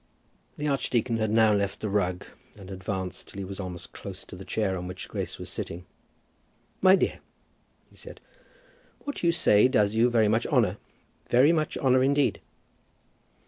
The archdeacon had now left the rug, and advanced till he was almost close to the chair on which Grace was sitting. "My dear," he said, "what you say does you very much honour, very much honour indeed."